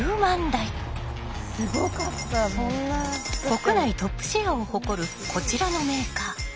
国内トップシェアを誇るこちらのメーカー。